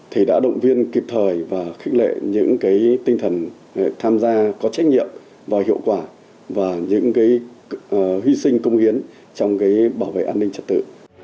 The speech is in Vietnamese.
thì đã động viên kịp thời và khích lệ những cái tinh thần tham gia có trách nhiệm và hiệu quả và những hy sinh công hiến trong cái bảo vệ an ninh trật tự